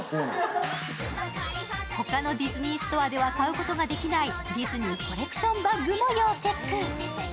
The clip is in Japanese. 他のディズニーストアでは買うことのできないディズニーコレクションバッグも要チェック。